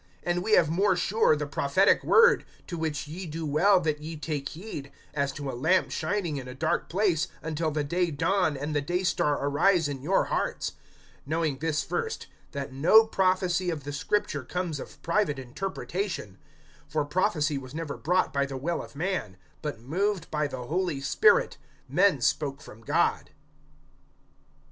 (19)And we have more sure the prophetic word; to which ye do well that ye take heed, as to a lamp shining in a dark place, until the day dawn, and the day star arise in your hearts; (20)knowing this first, that no prophecy of the Scripture comes of private interpretation; (21)for prophecy was never brought by the will of man; but moved by the Holy Spirit, men spoke from God.